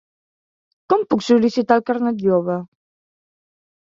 Com puc sol·licitar el carnet jove?